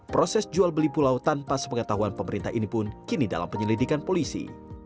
proses jual beli pulau tanpa sepengetahuan pemerintah ini pun kini dalam penyelidikan polisi